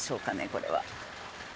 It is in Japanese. これは。